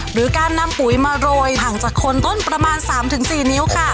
หรือการนำปุ๋ยมาโรยห่างจากคนต้นประมาณสามถึงสี่นิ้วค่ะโอ้โห